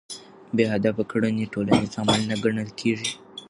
بې هدفه کړنې ټولنیز عمل نه ګڼل کېږي.